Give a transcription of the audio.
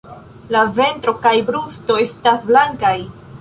La ventro kaj brusto estas blankaj.